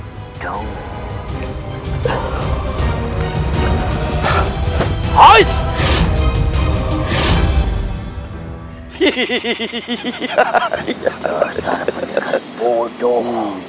bersalah mendekat bodoh